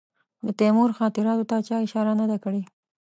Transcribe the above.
د تیمور خاطراتو ته چا اشاره نه ده کړې.